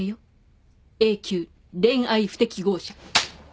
永久恋愛不適合者。